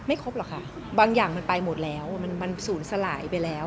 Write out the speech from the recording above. ครบหรอกค่ะบางอย่างมันไปหมดแล้วมันศูนย์สลายไปแล้ว